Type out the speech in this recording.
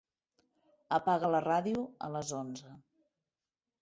Apaga la ràdio a les onze.